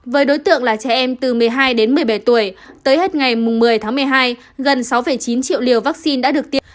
với đối tượng là trẻ em từ một mươi hai đến một mươi bảy tuổi tới hết ngày một mươi tháng một mươi hai gần sáu chín triệu liều vaccine đã được tiêm